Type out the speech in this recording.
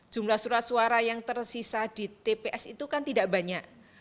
jumlah surat suara yang tersisa di tps itu kan tidak banyak